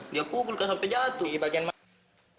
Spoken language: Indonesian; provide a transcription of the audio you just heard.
dia pukul sampai jatuh